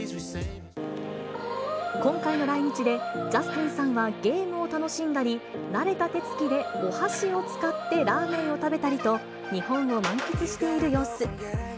今回の来日で、ジャスティンさんはゲームを楽しんだり、慣れた手つきでお箸を使ってラーメンを食べたりと、日本を満喫している様子。